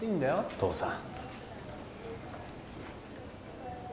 父さん。